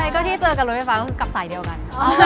ก็ที่เจอกับรถไฟฟ้าก็คือกับสายเดียวกัน